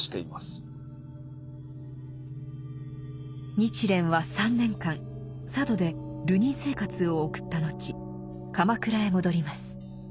日蓮は３年間佐渡で流人生活を送った後鎌倉へ戻ります。